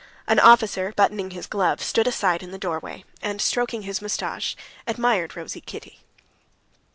An officer, buttoning his glove, stood aside in the doorway, and stroking his mustache, admired rosy Kitty.